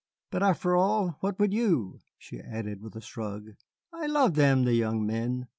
But, after all, what would you?" she added with a shrug; "I love them, the young men.